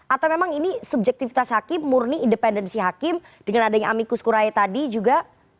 atau memang ini subjektifitas hakim murni independensi hakim dengan adanya amicus curiae tadi juga